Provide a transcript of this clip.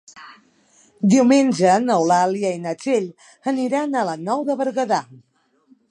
Diumenge n'Eulàlia i na Txell aniran a la Nou de Berguedà.